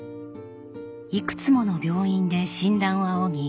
いくつもの病院で診断を仰ぎ